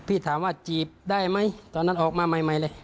พี่ถามว่าจีบได้ไหมตอนนั้นออกมาใหม่เลย